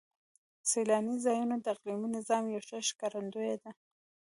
سیلاني ځایونه د اقلیمي نظام یو ښه ښکارندوی دی.